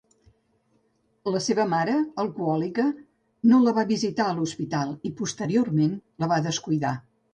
La seva mare, alcohòlica, no la va visitar a l'hospital i, posteriorment, la va descuidar.